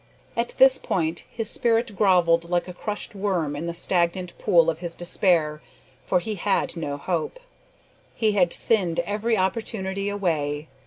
At this point his spirit grovelled like a crushed worm in the stagnant pool of his despair, for he had no hope. He had sinned every opportunity away.